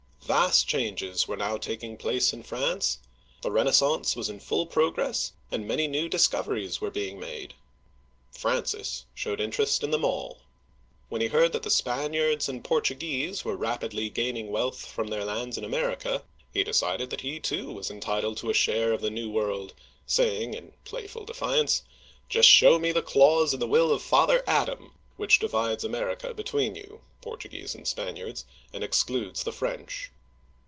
Vast changes were now taking place in France. The Renaissance was in full progress, and many new discoveries were being made. Francis showed interest in them all. When he heard that the Spaniards and Portuguese were rapidly gaining wealth from their lands in America, he de cided that he too was entitled to a share of the New World, saying in playful defiance :" Just show me the clause in the will of Father Adam which divides America between you (Portuguese and Spaniards), and excludes the French